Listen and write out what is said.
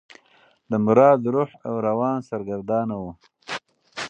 د مراد روح او روان سرګردانه و.